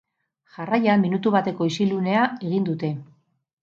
Jarraian, minutu bateko isilunea egin dute.